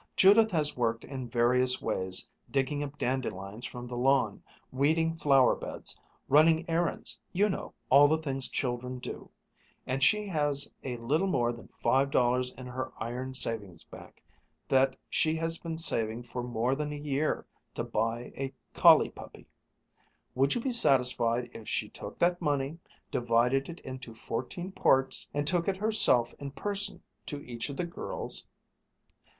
Judith has worked in various ways, digging up dandelions from the lawn, weeding flower beds, running errands you know all the things children do and she has a little more than five dollars in her iron savings bank, that she has been saving for more than a year to buy a collie puppy. Would you be satisfied if she took that money, divided it into fourteen parts, and took it herself in person to each of the girls?"